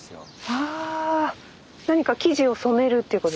はあ何か生地を染めるっていうこと？